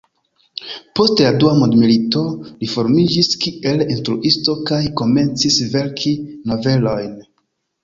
Post la dua mondmilito, li formiĝis kiel instruisto kaj komencis verki novelojn.